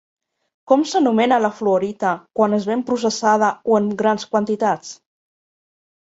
Com s'anomena la fluorita quan es ven processada o en grans quantitats?